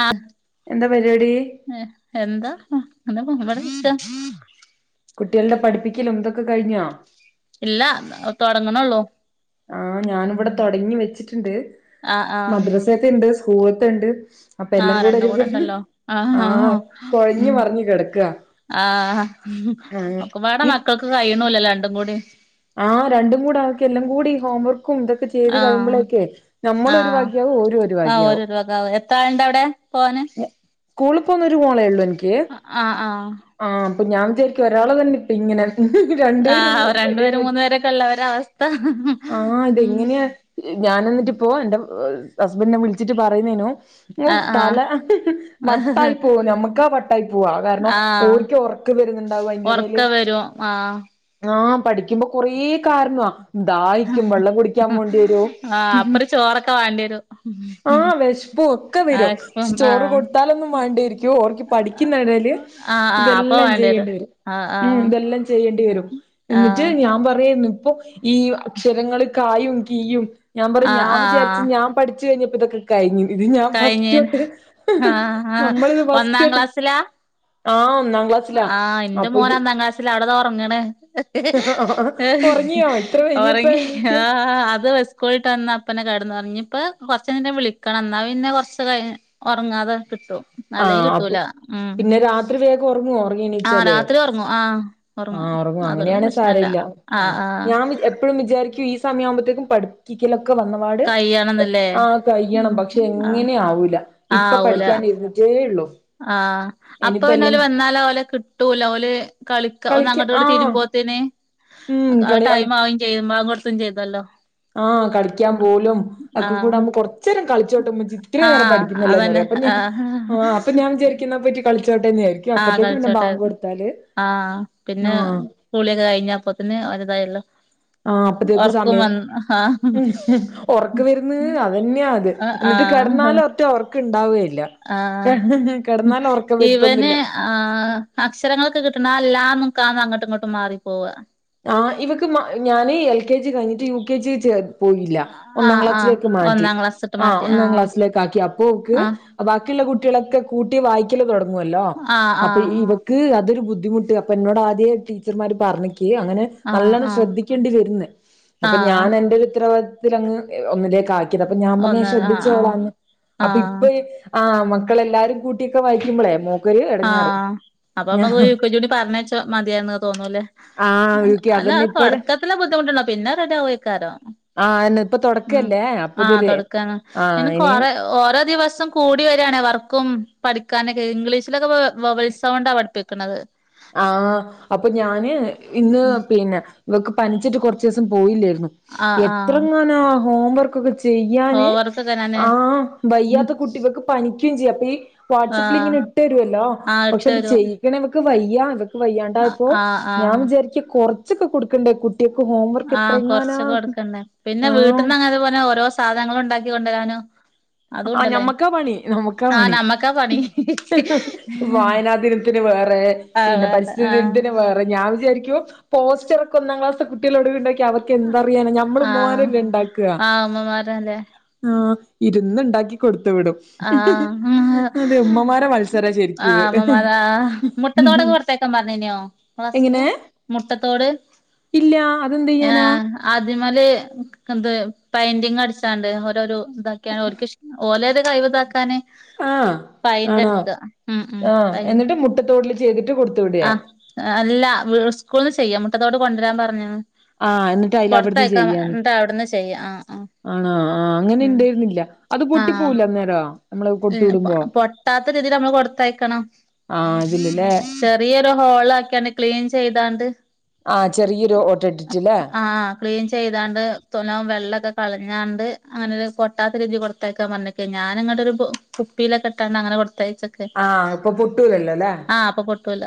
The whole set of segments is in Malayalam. ആഹ എന്താ പരിപാടി എന്താ എന്താ.. [unintelligible] കുട്ടികളുടെ പഠിപ്പിക്കൽ ന്തൊക്കെ കഴിഞ്ഞോ? ഇല്ല തുടങ്ങണള്ളൂ ആഹ ഞാന ഇവിടെ തുടങ്ങി വെച്ചിട്ടുണ്ട് ആഹ് ആഹ് മദ്രസത്തെ ഇണ്ട് സ്കൂളില് ത്തെ ഉണ്ട്. അപ്പൊ എല്ലാം ആഹ് കൂടെ രണ്ടും ഒരുക്ക് ഇണ്ടല്ലോ ആഹ് ആഹ ആഹ് കൊഴഞ്ഞ് മറിഞ്ഞു കിടക്ക. ആഹ ഒക്കെ പാടെ മക്കൾക്ക് കഴിയിണൂല്ല രണ്ടും കൂടി. ആ രണ്ടും കൂടാക്കി എല്ലാം കൂടി ഹോംവർക്ക് ന്തൊക്കെ ചെയ്ത് ആഹ് കഴിയുമ്പോഴെക്കെ നമ്മൾ ഒരു ആഹ് വക ആകും ഓര് ഒര് വക ആകും. പോനെ സ്കൂളിൽ പോകുന്നൊരു മോളേ ഉള്ളു എനിക്ക് ആഹ് ആഹ് ആഹ ഞാൻ വിചാരിക്കും ഒരാളെ തന്നെ ഇപ്പ ഇങ്ങനെ രണ്ട് പേരും ആഹ് രണ്ടു പേരും മൂന്നു പേരൊക്കെ ഉള്ളവരെ അവസ്ഥ ആ അത് ഉം എങ്ങനെയാ ഞൻ എന്നിട്ട് പോ എന്റെ ഹസ്ബൻഡിനെ വിളിച്ചിട്ട് പറയുന്നേനു ഓ ആഹ് തല ആഹ് വട്ടായി പോക നമ്മുക്ക വട്ട് ട്ടായി പോവാ കാരണം ആഹ് ഓരിക്ക് ഉറക്ക് വരുന്നുണ്ടാവും അതിന്റെ ഇടൽ ഒറക്കം വരും ആഹ് പഠിക്കുമ്പോ കൊറേ കാരണാ ന്തായിക്കും വെള്ളം കുടിക്കാൻ വേണ്ടി വരൂ ആഹ് അപ്പൊരു ചോറൊക്കെ വാണ്ടിരും ആ വെ പ്പം ഒക്കെ വരും ആഹ് ക്ഷെ ഇപ്പം ചോറ് ആഹ് കൊടുത്താലൊന്നും വേണ്ടയിരിക്കും ഓർക്ക് പഠിക്കുന്നടയ്ല് ആഹ് ആഹ് ഇതെല്ല- അപ്പൊ എല്ലാം വേണ്ടിരും ചെയ്യേണ്ടി വരും ആഹ് ഉം ആഹ് ഇതെല്ലാം ചെയ്യേണ്ടി വരും. എന്നിട്ട് ആഹ് ഞാൻ പറയാരുന്നു ഇപ്പൊ ഈ അക്ഷരങ്ങള് കായും കീയും. ഞാ പറും ആഹ് ഞാ ആഹ് വിചാര്ച്ചു ഞാ പഠ്ച്ച് കയ്ഞ്ഞപ്പോ ഇതൊക്കെ കയ്ഞ്ഞു ഇത് ഞാൻ കഴിഞ്ഞേന് ഫസ്റ്റൊട്ട് ആഹ് ആഹ് നമ്മളിത് ഫസ്റ്റൊട്ട് ആ ന്റെ മോനൊന്നാക്ലാസില് അവ്ട തൊർങ്ങ്ണ് ഏ ഒറങ്ങിയോ ഇത്ര ഇനിയെപ്പഴാ ഒറങ്ങി ആ എണീക്ക അത് സ്കോളിട്ടന്ന അപ്പനെ കെട്ന്നൊറ്ങ്ങി പ്പ കൊറ്ച്ചെയ്ഞ്ഞ്ട്ട് വിളിക്കണം എന്നാ പിന്നെ കൊർച്ചയ് ഒർങ്ങാതെ കിട്ടു അല്ലെ ആഹ് അപ്പൊ കിട്ടൂല മ് പിന്നെ രാത്രി വേഗം ആ രാത്രി ഒർങ്ങു ആ ആ ഒറങ്ങു അങ്ങനെയാണെ സാരല്ല ആഹ് ആഹ് ഞാ എപ്പഴും വിചാരിക്കു സമയാവ്മ്പയ്ത്തേക്കും പഠിക്കപ്പിക്കലൊ വന്നപാട് കയ്യണംന്നല്ലേ അ കയ്യെണം ഉം പക്ഷെ ആഹ് ആഹ് എങ്ങനെ ആവൂല ഇപ്പൊ പഠിക്കാൻ ഇര്ന്നിട്ട് ട്ടേള്ളൂ ആ അപ്പൊ പിന്നോല് വന്നാല് ഓലെ കിട്ടൂല ഓല് ക ളിക്ക കളിക്ക ഒന്നങ്ങട്ടിങ്ങട്ടും ആഹ് തിരിമ്പോത്തിന് ഉം അ കളി ടൈമാവും ചെയ്യു ബാങ്കൊട്ത്തും ചെയ്തല്ലോ ആ കളിക്കാൻ ഉം പോലും ആഹ് ഒക്കകൂടാവ്മ്പൊ കൊറച്ചേരം കള ചോട്ടമ്മച്ചി ഇത്രനേരം ആഹ് പഠ്ത്തന്നല്ലേ അതന്നെ അപ്പ ഞാ ആഹ് ആ അപ്പൊ ഞാന് വിചാര്ക്കു ന്നാ പൊയ്ട്ട് ക ആ കൾച്ചോട്ടേ ആ പിന്നെ ആഹ് കുള്യൊക്കെ കഴിഞ്ഞപ്പോത്തിന് ഓല്തായല്ലോ ആ അപ്പത്തേക്കു സമയം മ് ഹ് ഒർക്ക് വര്ന്ന് അതന്ന്യ അത് എന്നിട്ട് ത് ആഹ് കെട്ന്നാലോറ്റ ഒർക്ക് ല്ല ആഹ് ഹ് ഹ് ഹ ഇവന് ആ അക്ഷരങ്ങളൊക്കെ കിട്ടണ ആ ല ക ന്നങ്ങട്ട്ങ്ങട്ടും മാറിപ്പോവാ ആ ഇവക്ക് മ ഞാന് എൽ കെ ജി കഴിഞ്ഞ്ട്ട് യു കെ ജി ചേർ യില്ല ആഹ് ആഹ് ഒന്നാക്ലാസിലേക്ക് മാറ്റി ഒന്നാം ക്ലാസ് ട്ട് അ മാറ്റി ഒന്നാം ആഹ് ക്ലാസിലേക്കാക്കി അപ്പോക്ക് ആഹ് ബാക്കിള്ള കുട്ട് ട്ട്യളൊക്കെ കൂട്ടി വായിക്കല് തൊടങ്ങുവല്ലോ ആഹ് അപ്പൊ ആഹ് ഇവക്ക് അതൊരു ബുദ്ധിമുട്ട് അപ്പ എന്നോടാദ്യേ ടീച്ചർമാർ പറഞ്ഞി അങ്ങനെ ആഹ് നല്ലണം ആഹ് ശ്രദ്ധിക്കേണ്ടി വര്ന്ന് അപ്പൊ ആഹ് ഞാനെന്റെ ഒരുത്തരവാ ലങ്ങ് ഒന്നിലേക്കാക്യാതാ അപ്പൊ ഞാൻ പറഞ്ഞ് ഒന്ന് ആഹ് ആഹ് ശ്രദ്ധിച്ചോളാന്ന് അപ്പൊ ആഹ് ഇപ്പ ആ മ ക്കളെല്ലാരു കൂട്ട്യൊക്കെ വായ്ക്ക്മ്പളെ മോ ആ അപ്പൊ അമ്മ യു കെ ജി കൂടി പറഞ്ഞയച്ച മതിയായ്ന്ന് തോന്നൂല്ലേ ആ ക്ക് അല്ല അ അതന്നെ ഇപ്പൊര് തൊട്ക്കത്തിലെ ബുദ്ധിമുട്ടൊള്ള പിന്നെ റെഡിയാവൊയ്ക്കാരം ആഹ് ന്നെ ഇപ്പൊ മ് തൊടക്കല്ലേ അപ്പൊ ആ ഇതൊരു തൊടക്കാണ് ആഹ് ഇന്ന് ഇനി കൊറെ ഓരോ ദിവസം കൂടി വരാ വർക്കും പഠിക്കാനൊക്കെ ഇംഗ്ലീഷിലൊക്കെ വവൽ സൗണ്ടാ പഠിപ്പിക്ക്ണത് ആ അപ്പൊ ഞാന് ഉം ഇന്ന് ഉം പിന്നെ ഇവക്ക് പന്ച്ചിട്ട് കൊറച്ചീസം പോയില്ലാര്ന്ന് ആഹ് ആഹ് എത്രങ്ങാന ഹോംവർക്കൊക്കെ ചെ യ്യാന് ഹോംവർക്കൊക്കെ ഞാന് ആ വയ്യാത്ത കുട്ടി ഇവക്ക് പനിക്ക്യും ചെയ്യാ അപ്പ ഈ വാട്സപ്പിൽ ആഹ് ഇങ്ങനെ ഇട്ടരൊല്ലോ ആഹ് പക്ഷെ അത് ഇട്ടരും ചെയ്യിക്കണേ വക്ക് വയ്യാ വയ്യാണ്ടായപ്പൊ ആഹ് ഞാൻ ആഹ് വിചാര്ക്ക കൊറ്ച്ചൊക്കെ കൊട്ക്കണ്ടേ കുട്ട് ആ കൊറ്ച്ചൊക്കെ കൊട്ക്കണ്ടേ പിന്നെ ആഹ് വീട്ട്ന്ന് അങ്ങനെ പോലെ ഓരോ സാധനങ്ങള് ഉണ്ടാക്കികൊണ്ടരാനും ആ നമ്മക്കാ പണി നമ്മക്കാ ആഹ് പണി നമ്മക്കാ പണി വായനാ ദിനത്തിന് വ് വേറെ പിന്നെ ആഹ് ആഹ് പരിസ്ഥിതി ദിന് ത്തിന് വേറെ ഞാൻ വിചാരി പോസ്റ്ററൊക്കെ ഒന്നാം ക്ലാസ്ത്തെ കുട്ട്യാളോട് ണ്ടാക്കി അവർക്കെന്തറിയാന ഞമ്മൾ ഉമ്മ ആഹ് മാരേല്ല ണ്ടാക്ക ആഹ് ഉമ്മമാരല്ലേ ആ ഇര്ന്ന് ണ്ടാക്കി കൊട് ത്ത് വിടും ആഹ് അതെ ഉമ്മമാരെ മത്സരാ ശെര്ക്കിത് കൊട്ത്തയ്ക്കാൻ പറഞ്ഞീനോ ക്ളാസ്ക് മുട്ടത്തോട് ഇല്ല അതെന്ത് ആ ചെയ്യാനാ അതിമ്മല് ത് പെയിന്റിങ്ങട്ച്ചാണ്ട് ഓരൊരു ഇതാക്ക്യാണ്ട് ഓര്ക്കിഷ് ഓരൊരു കയ് വ് താക്കാന് ആഹ് ആണോ പയ്ന്റടിക്ക ഉം ഉം ആഹ് പൈന് എന്നിട്ട് മുട്ടത്തോട്ടില് ചെയ്തിട്ട് കൊടുത്തു വിടേ ആഹ് അല്ല വ് സ്കൂൾന്ന് ചെയ്യാ മുട്ടത്തോട് കൊണ്ട്രാൻ പറഞ്ഞീന്ന് ആ ഇന്നിട്ടയ്ലവ്ട്ന്ന് ചെയ്യാന്ന് അവിടുന്ന് ചെയ്യാ ആഹ് ആഹ് ആണാ ആ അങ്ങനെ ഉം ഇണ്ടേര്ന്നില്ല്യ അത് പൊട്ടി പോവൂലെ അന്നേരം നമ്മള് കൊടുത്തു ന്നെപ്പൊ വിടുമ്പോ പൊട്ടാത്ത രീതീല് നമ്മള് കൊടുത്തയക്കണം ആഹ് ഇതില് ല്ലേ ചെറിയൊരു ഹോൾ ആക്കിയാണ്ട് ക്ലീൻ ചെയ്താണ്ട് ആഹ് ചെറിയൊരു ഓട്ട ഇട്ടിട്ട്ല്ലേ ആഹ് ക്ലീൻ ചെയ്താണ്ട് തൊനോം വെള്ളൊക്കെ കളഞ്ഞാണ്ട് അങ്ങനൊരു പോട്ടാത്ത രീതി കൊടുത്തയക്കാൻ പറഞ്ഞെക്കേ ഞാനിങ്ങട്ടൊരു പു കുപ്പയിലൊക്കെ ഇട്ടാണ്ട് അങ്ങനെ കൊടുത്തയച്ച്ക്ക ആഹ് ഇപ്പൊ ആഹ് അപ്പൊ പൊട്ടൂല.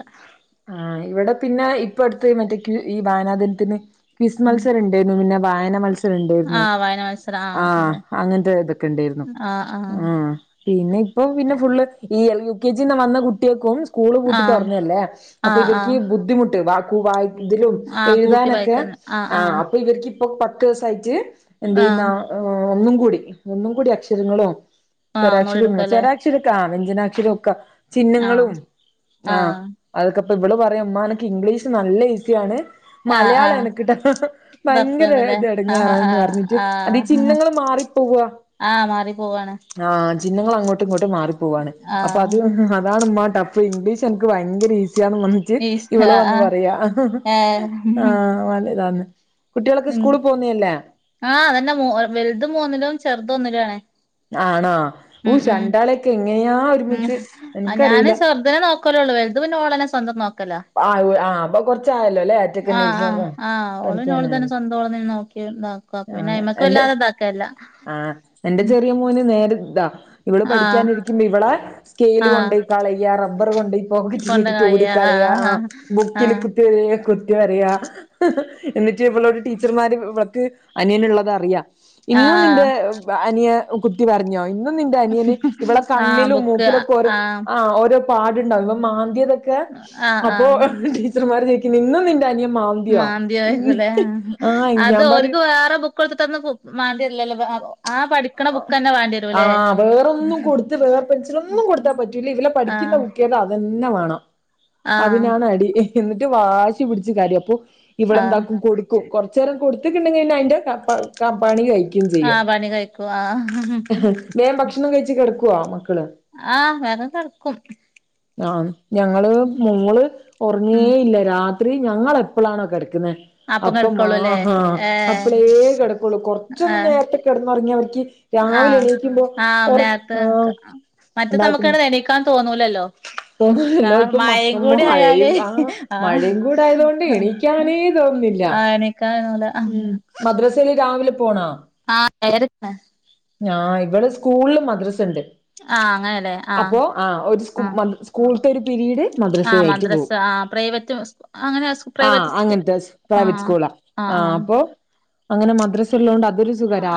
ആ ഇവടെ പിന്നെ ഇപ്പ അടുത്ത് മറ്റേ ഈ വയാനാദിനത്തിന് കിസ് ഉം മത്സരം ഇണ്ടേര്ന്നു പിന്നെ വായന മത്സ രം ഇണ്ടേര്ന്നു ആഹ് വായന മത്സരം ആഹ് ഒക്കെണ്ടായി അങ്ങനത്തെ ഇതൊക്കെ ഇണ്ടേര്ന്നു ആഹ് പിന്നെ ഇപ്പൊ പിന്നെ ഫുള്ള് ഈ യു കെ ജിന്ന് വന്ന കുട്ടിയേക്കും സ്കൂള് പൂട്ടിട്ട് ആഹ് തൊറന്നതല്ലേ അപ്പൊ ആഹ് ഇവര്ക്ക് ആഹ് ബുദ്ധിമുട്ട് വാക്കും വായി ഇതിലും ആഹ് കൂട്ടി എഴുതാനൊക്കെ വായിക്കാന് ആഹ് ആ ആഹ് അപ്പൊ ഇവര്ക്ക് ഇപ്പൊ പത്ത് ദിവസായിട്ട് ആഹ് എന്തയ്യുന്ന ഒന്നും കൂടി ഒന്നും കൂടി അക്ഷരങ്ങളും ആഹ് ഒന്നൂടി സ്വരാക്ഷരവും എടുക്കല്ലേ സ്വരാക്ഷരൊക്കെ ആ വ്യഞ്ജനാക്ഷരൊക്കെ ആഹ് ചിഹ്നങ്ങളും ആഹ് അതക്കെപ്പ ഇവള് പറയാ ഇമ്മാ എനക്ക് ഇംഗ്ലീഷ് നല്ല ഈസിയാണ് ആഹ് മലയാളം ആഹ് എനക്കിട്ട് ഭയങ്കര തപ്പുന്ന്ല്ലേ ഇത് ആഹ് എടങ്ങാറാന്ന് ആഹ് പറഞ്ഞിട്ട് അത് ആഹ് ചിഹ്നങ്ങൾ മാറ പോവാ ആഹ് മാറി പോവാണ്. ചിഹ്നൾ അങ്ങോട്ടും ഇങ്ങോട്ട് മാറിപ്പോവാണ് അപ്പൊ അത് ആഹ് അതാണ് ഇമ്മാ ടഫ് ഇംഗ്ലീഷ് എനക്ക് ഭയങ്കരഈ സിയാന്നും വന്ന്ട്ട് ഈശ് ഇവള് വന്ന് ആഹ് പറയാ ഏഹ് ആഹ് നല്ല ഇതാന്ന്. കുട്ടികളൊക്കെ ഉം സ്കൂളിൽ പോവുന്നയല്ലേ ആഹ് അതന്നെ മു വലുത് മൂന്നിലും ചെറുത് ഒന്നിലും ആണ്. ആണോ ഉം ഉയ് ഉം രണ്ടാളെയൊക്കെ എങ്ങനെയാ ഉം ഒരുമിച്ച് ഞാന് എനക്കറിയില്ല ചെർത് നെ നോക്കലൊള്ളൂ വെലുത് പിന്നെ ഓളെന്നെ സ് സ്വന്തം നോക്ക ലാ ആഹ് ആഹ് അപ്പൊ കൊറച്ചായല്ലോ അല്ലെ ഒറ്റക്കന്നെ ആഹ് ആഹ് ഇരുന്ന് ആഹ് ഓള്ന്നെ ഓൾതന്നെ പഠിക്കാനായല്ലോ സ്വന്തം ഓള്ന്നെ നോക്കി. ക്യും നോക്കക്കും പിന്നെ ആഹ് അയ്മക്ക് എന്റെ വല്ലാതെതാക്കേല്ല. ആഹ് എന്റെ ചെറിയ മോന് നേരെതാ. ഇവിള് ആഹ് പഠിക്കാനിരിക്കുമ്പോ ഇവിളെ സ്ക്കെയ്ൽ ആഹ് കൊണ്ടയ് കളയ റബ്ബർ കൊണ്ടയ് കൊണ്ട പോക്കറ്റിലിട്ടിട്ട് കായ ഓടിക്കാ ളയാ ആഹ് ആഹ് ബുക്കിൽ ആഹ് കുത്തി വരയാ കു ത്തി വരയാ എന്നിട്ട് ഇവളൊട് ടീച്ചർമാര് ഇവക്ക് അനിയനുള്ളത് അറിയാ ഇന്നും ആഹ് നിന്റെ അനിയൻ കുത്തി വര ഞ്ഞോ ഇന്നും നിന്റെ അനിയന് ഇവിളെ ആഹ് കണ്ണിലും ബുക്ക് മൂക്കിലൊക്കെ ഓരോ ആഹ് ഓരോ. പാട്ണ്ടാവും ഇവൻ മാന്തിയത്. ക്കെ ആഹ് ആഹ് അപ്പോടീച്ചർമാർ ചോയിക്കും ഇന്നും നിന്റെ അനിയൻ മാന്തിയോ ഇന്ന്. മാന്തിയായിരിക്കുംല്ലേ ആഹ് അത് ഞാൻ ഒര്ക്ക് പറയും വേറെ ബുക്കൊടുത്ട്ടൊന്നും ബു മണ്ടരില്ലലെ വ് അ ആഹ് വേറൊന്നും കൊടുത്ത് വേറെ പെൻസിലൊന്നും കൊടുത്താ പറ്റൂലെ ഇവളെ പഠിക്ക ക്കുന്ന ആഹ് ബുക്ക്‌ ഏതാ അതന്നെ വാണം ആഹ് അതിനാണ് അടി എന്നിട്ട് വാശി പിടച്ച് കരിം അപ്പൊ. ആഹ് ഇവളെന്താക്കും കൊടുക്കും കൊർചെരം കൊടുത്തിട്ടുണ്ടെങ്കി പിന്നെ അയ്ന്റെ ക പ ക പണി കയ്യു ആഹ് പണി കേയ്ക്കും ആഹ് വേം ഭക്ഷണം കഴിച്ചു കിടക്കൊ മക് ആഹ് വേഗം കെടക്കും ആഹ് ഞങ്ങള് മോൾ ഒർങ്ങെ ഉം ഇല്ല രാത്രി ഞങ്ങള് എപ്പളാണോ കെട് ക്കുന്നെ അപ്പം ആഹാ ഏഹ് അപ്പളേ കിടക്കുള്ളൂ കൊറച്ചൊന്ന് ഏഹ് നേരത്തെ കിടന്ന് ഉറങ്ങിയ അവ ആഹ് ആഹ് നേരത്തെക ആഹ് മറ്റേത് ഉണ്ടാക്കുന്നു നമുക്കട് എണീക്കാൻ തോന്നു തോന്നുന്നില്ലോ ആഹ് ഇപ്പൊ മ മായെം കൂടി മഴയും ആയാല് ആ ആഹ് മഴയും കൂടെ ആയതുകൊണ്ട് അഹ് അഹ് എണീക്കാനേ തോന്നുന്നില്ല ആഹ് എണീക്കാൻ ഉം മദ്രസയിൽ രാവിലെ പോണോ ആഹ് ഏയ‌ര ക്കാ ഞാ ഇവിൾ സ്കൂളില് മദ്രസ ഉണ്ട്... ആഹ് അങ്ങനെല്ലേ ആഹ് അപ്പോ ആ ഒരു സ് ആഹ് സ്കൂളത്തെ ഒരു പീരീഡ് മദ്രസ ആയിട്ട് പോവും ആ പ്രൈവറ്റ്സ്ക്കു അങ്ങനെ പ്രൈവറ്റ് ആസ്ക്കു അങ്ങനത്തെ പ്രൈവറ്റ് സ്കൂളാ ആ ആ അപ്പൊ അങ്ങനെ മദ്രസ ഉള്ളോണ്ട് അ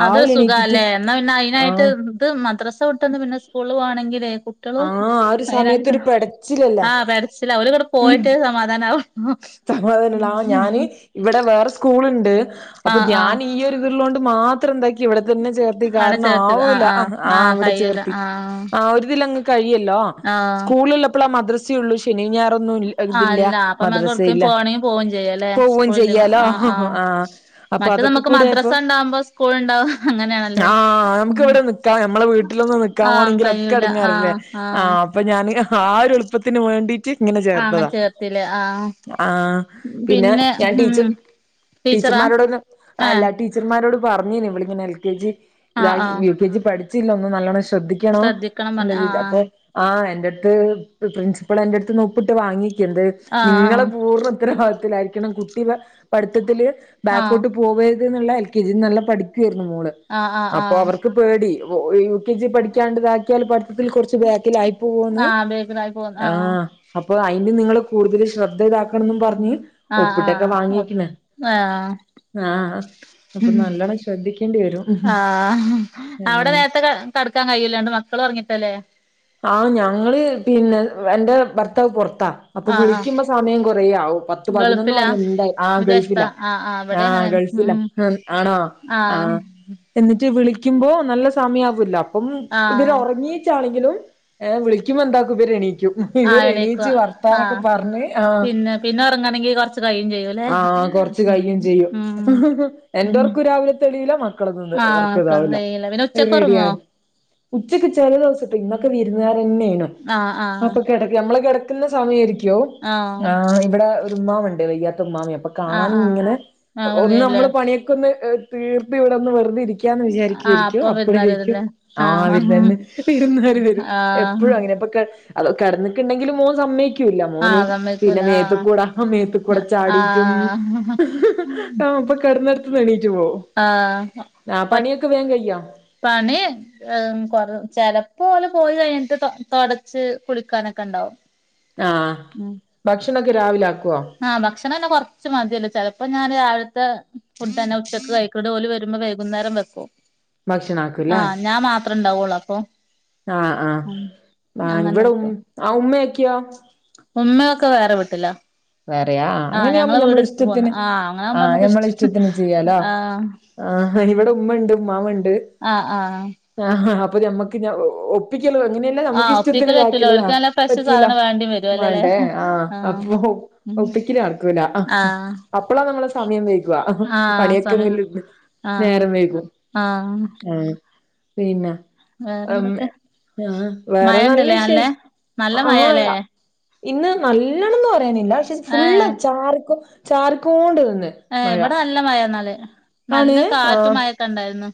അത് സുഖാല്ലേ എന്നാ പിന്നെ ആ അയിനായിട്ട് ഇത് മദ്രാസ വിട്ടന്ന് പിന്നെ സ്കൂള് പോവാണെങ്കിലേ കു ട്ട്യോളും ആ ആ ഒരു സമയത്ത് ഒരു പെടച്ചിലല്ല [unintelligible] ആ [unintelligible] ഓര് ഇവിടെ പോയിടട്ടെ സമാധാനാവു [unintelligible] ഞാന് ഇവിടെ വേറെ സ്കൂളുണ്ട് അപ്പൊ ആഹ് ഞാൻ ആഹ് ഈ ഒരു ഇതിള്ളോണ്ട് മാ ഇവിടെ തന്നെ ചേർത്തി അവിടെ കാരണം ചേർത്തത് ആഹ് ആവൂല ആഹ് ആ ആഹ് അവിടെ കയ്യൂല ചേർത്തി ആഹ് ആ ഒരുതിലങ്ങ് കഴിയുല്ലോ ആഹ് ആഹ് സ്കൂൾളപ്പളാ മദ്രസ ഉള്ളു ശനി ഞാറൊന്നും ഇൽ ഇതില്ല അല്ല അപ്പൊ മ്മക്ക് മദ്രസ എവിടക്കേലും ത്തില്ല പോവാണെങ്കി പോവും ചെയ്യാല്ലേ സ്കൂൾ ലീവ് പോവെചെയ്യാലോ ആഹ് ഹോ ഹോ ആഹ് ആ അപ്പൊ മറ്റത് നമുക്ക് മദ്രസ അതൊക്കെകൂടിയപ്പോ ഉണ്ടാവുമ്പോ സ്കൂൾ ഉണ്ടാവും അങ്ങനെയാണല്ലോ ആ നമുക്ക് ഇവിടെ നിക്ക ഞമ്മളെ വീട്ടിലൊന്നു നിക്കാൻ ആഹ് പോവാണേങ്കിൽ കഴിയൂല ഒക്കടങ്ങേറല്ലേ ആഹ് വേ ആ ആഹ് അപ്പൊ ഞാന് ആ ഒരു എളുപ്പത്തിന് വേണ്ടീറ്റ് ഇങ്ങനെ ആഹ് അങ്ങനെ ചേർത്തതാ ചേർത്തില്ലേ ആഹ് ആ പിന്നെ ഞാൻ ടീച്ചർ ടീച്ചറാ ടീച്ചർമാരോടൊന്ന് അല്ല ഏഹ് ടീച്ചർമാരോട് പറഞ്ഞിനി ഇവളിങ്ങന്നെ എൽ കെ ജി ആഹ് ഇതയി ആഹ് യു കെജി പഠിച്ചില്ല ഒന്നും നല്ലോണം ഷേ ശ്രദ്ധിക്കണോ ശ്രദ്ധിക്കണം പറഞ്ഞ് എന്നില്ലപ്പൊ ആഹ് ആ എന്റെ ട്ത്ത് ക്ക് പ്രിൻസിപ്പൾ എന്റെടുതിന്ന് ഒപ്പിട്ട് വാങ്ങികെരുത് ആഹ് നിങ്ങള് പൂർണ ഉത്തരവാദിത്വത്തിൽ ആയിരിക്കണം. കുട്ടി പഠിത്തത്തില് ആഹ് ബാക്കഔട്ട് പോവ ഇതിന്നുള്ള എൽ കെ ജിന്ന് നല്ല പഠിക്കായിരുന്നു, മോള് ആഹ് ആഹ് അപ്പൊ ആഹ് അവർക്ക് പേടി യു കെ ജി പഠിക്കാണ്ടിതാക്കിയാല് പഠി ഇതിൽകുറച്ച് ബാക്കിലായി പോവോന്ന് ആഹ് ബേക്കിലായി പോന്ന് ആ ആഹ് അപ്പൊ അയിന് നിങ്ങള് കൂടുതല്ല് ശ്രദ്ധ ഇതാകണെന്നും പറഞ്ഞ് ആ ആ ഒപ്പിട്ടൊക്കെ ഓ വാങ്ങിക്ക്ണ് ആ ആഹ് അപ്പൊ ഉം നല്ലോണം ശ്രദ്ധിക്കേണ്ടി വരും ആ അവിടെ ആഹ് നേരത്തെ ക കടക്കാൻ കഴിയുല്ലണ്ട് മക്കൾ ഇവൾ ഒറങ്ങിട്ടല്ലേ ആ ഞങ്ങള് പിന്നെ എന്റെ ഭർത്താവ് പൊർ താ അപ്പൊ ആഹ് ആഹ് വിളിക്കുമ്പോ സമയം കൊറയാ പത്ത് പതിനൊന്ന് ഗൾഫിലാ മണി എന്തായി ആ വിദേശത്താ ഗൾഫിലാ ആഹ് ആഹ് ആ ഇവിടെ ആ അങ്ങനെയാണ് ഗൾഫിലാ ഉം ആ ആണോ ആ ആഹ് എന്നിട്ട് വിളി ക്കിമ്പോ നല്ല സമയവൂല്ലോ അപ്പം ഇവര് ആഹ് ഒർങ്ങീച്ചാണെങ്കിലും ഏ വിളിക്കുമ്പ എന്താക്കും ഇവര് എണീക്കു ക്കും ഇവര് ആഹ് എണീക്കുവ എണീച്ച് വർത്താനൊക്കെ ആഹ് പറഞ്ഞ് ആ പിന്നെ പിന്നെ ഉറങ്ങണെങ്കി കൊറച്ച് കഴിയും ചെയ്യൂല്ലേ ആ ആ കൊറച്ച് ഉം കയ്യും ചെയ്യും ഹും ഉം ഹും എന്റെയൊർക്കു രാവിലെ തെളിയൂല മക് വർക്കുള്ളതോണ്ട് ആഹ് ഒറക്ക ആർക്കും ഇതാവൂല കഴിയില്ല പിന്നെ ഉച്ചക്ക് ഉറങ്ങോ [unintelligible] ഉച്ചക്ക് ചെല ദിവസട്ടോ ഇന്ന ക്ക വിരുന്നുകരന്നെനു ആഹ് അപ്പൊ ആഹ് കെടക്ക ഞമ്മള് കെടക്ന്ന സമയാരിക്കും യ്യോ ആഹ് ആ ഇവിടെ ഒരു ഉമ്മാമുണ്ട്. വയ്യാത്ത ഉമ്മാമി. അപ്പൊ കാണാൻ ആഹ് ആഹ് ഇങ്ങനെ ആഹ് ഒന്ന് വന്നീല്ലേ നമ്മള് പണിയൊക്കൊന്ന് തീർത്ത് ഇവിടെന്ന് വെറുതെരി ക്യാന്ന് ആഹ് വിചാരിക്യാരിക്കും അപ്പൊ അപ്പഴരിക്യും പെരുന്നാരല്ലേ ആഹ് രാവിൽ തന്നെ ആഹ് വിരുന്നാര് വരുന്ന് ആഹ് എപ്പോഴും അങ്ങനെ ഇപ്പോ അതോ കെടന്നിക്ക്‌ണ്ടെങ്കിലും മോൻ സമ്മയ്ക്കി ക്കൂല്ല, മോന് ആഹ് പിന്നെ സമ്മയ്ക്കൂല മേത്തുക്കൂട ആഹ് മേത്തുക്കൂട ചാടിറ്റും ആഹ് ആ ഇപ്പൊ കെടന്ന ആ പ പണിയൊക്കെ വേഗം കയ്യോ പണി കൊറ ചിലപ്പോ പോയി കഴിഞ്ഞിട്ട് തൊ തൊടച്ച് കുളിക്കാനൊക്കെണ്ടാവും ആ ഭക്ഷണൊക്കെ രാവിലെ ആക്കും ആ ഭക്ഷണെല്ലാം പൊർ ച്ചും മതിയല്ലോ ചെലപ്പം ഞാന് രാവിലത്തെ ഫുഡ്‌ തന്നെ ഉച്ചക്ക് കഴിക്കുള്ളു ഓല് വരുമ്പോ വൈകുന്നേരം വെക്കും ഭക്ഷണം ആ ആക്കൂല്ലേ ഞാ മാത്രം ണ്ടാവുള്ളൂ അപ്പം ആ ആ ആ ഇവിടെ ഉം ആ ഉമ്മയക്കെയോ? ക്ക വേറെ വീട്ടില വേറെയാ ആ അങ്ങനെയൊവുമ്പാ ഞമ്മള് പോന്ന് ഇഷ്ടത്തിന് ആഹ് അങ്ങനാവുമ്പോ ആഹ് നമുക്ക് ഞമ്മള് ഇഷ്ടം ഇഷ്ടത്തിന് ചെയ്യാലോ ആഹ് ആ ഇവിടെ ഉമ്മ ഇണ്ട് ഉമ്മാമ്മ ഇണ്ട് ആ ആ ആ ആ അപ്പൊ ഞമ്മക്ക് ഞ ഒപ്പി അങ്ങനെയല്ല നമുക്ക് ആഹ് ഇഷ്ടത്തിന് ഒപ്പിക്കല് പറ്റൂല ഇതാക്കതാ ഓൽക്ക് നല്ല ഫ്രഷ് പറ്റൂല സാധനം വേണ്ടി വരും അല്ലല്ലേ വേണ്ടേ ആ ആഹ് അപ്പൊ ഉം ഒപ്പിക്കല് നടക്കൂല ആഹ് അപ്പളാ നമ്മള സമയം വൈക ആഹ് സമയം പണിയൊക്കെങ്കില നേരം വൈകും ആ പിന്ന ആ വേറെ മഴ നല്ല ഇണ്ടല്ലേ നല്ലേ വിശേഷം നല്ല ആ മഴാല്ലേ ഇന്ന് നല്ലണംന്ന് പറയാനില്ല പക്ഷെ ഫുള്ള് ഏഹ് ചാർക്കോ ചാർക്കോണ്ട് ഏ ഇവിടെ നല്ല മഴന്നാല് നല്ല കാറ്റും മഴൊക്കെ ഇണ്ടായിരുന്നു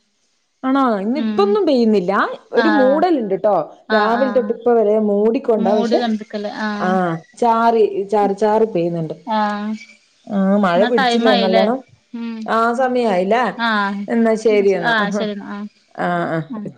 ആണാ ഇന്നാ ഉം ഇപ്പൊന്നും പെയ്യുന്നില്ല ഒരു ആഹ് മൂടലുണ്ട്ട്ടോ ആഹ് രാവിലെ ആഹ് തൊട്ട് ഇപ്പ വരെ മൂടി കൊണ്ട മൂടി പക്ഷെ കണ്ടിക്കല് ആ ആഹ് ചാറി ചാ ചാറി പെയ്യുന്നുണ്ട് ആഹ് ആ മഴ എന്നാ ടൈം പിടിച്ചില്ലേ ആയില്ലേ നല്ലവണം ഉം ആ സമയായില്ലേ ആഹ് എന്നാ ശരി എന്നാ ആഹ് ശരി എന്നാ ആഹ് ആ ആഹ്